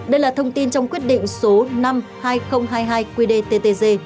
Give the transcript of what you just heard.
đây là thông tin trong quyết định số năm hai nghìn hai mươi hai qdttg